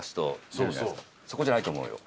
そこじゃないと思うよ。